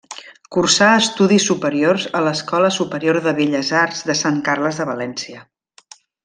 Cursà estudis superiors a l'Escola Superior de Belles Arts de Sant Carles de València.